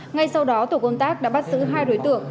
ngay sau đó tổ công tác đã bắt giữ hai đối tượng